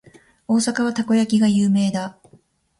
大阪はたこ焼きが有名だ。